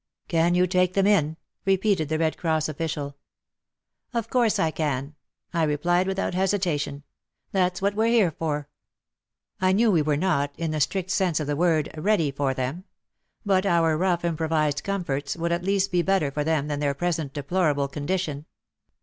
"Can you take them in?" repeated the Red Cross official. '* Of course I can," I replied without hesita tion, — "that's what we're here for." I knew we were not, in the strict sense of the word, "ready" for them. But our rough improvized comforts would at least be better for them than their present deplorable con dition.